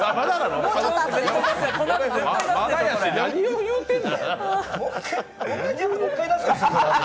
まだやし、何を言うてんの。